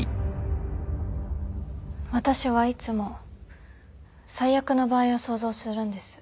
私はいつも最悪の場合を想像するんです。